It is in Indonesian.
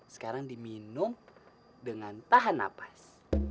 sekarang diminum dengan tahan nafas